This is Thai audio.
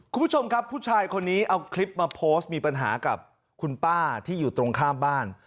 คุณผู้ชมครับผู้ชายคนนี้เอาคลิปมาโพสต์มีปัญหากับคุณป้าที่อยู่ตรงข้ามบ้าน